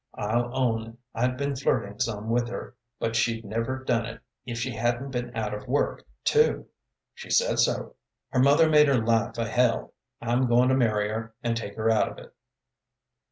I'll own I'd been flirting some with her, but she'd never done it if she hadn't been out of work, too. She said so. Her mother made her life a hell. I'm going to marry her, and take her out of it."